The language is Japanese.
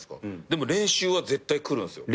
でも練習は絶対来るんすよ。